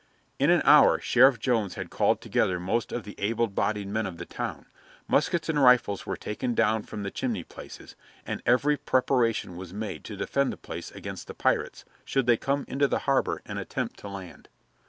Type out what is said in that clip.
In an hour Sheriff Jones had called together most of the able bodied men of the town, muskets and rifles were taken down from the chimney places, and every preparation was made to defend the place against the pirates, should they come into the harbor and attempt to land.